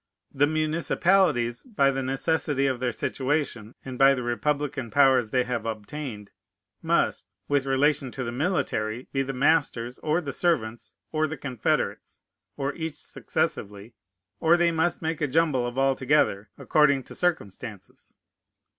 The municipalities, by the necessity of their situation, and by the republican powers they have obtained, must, with relation to the military, be the masters, or the servants, or the confederates, or each successively, or they must make a jumble of all together, according to circumstances.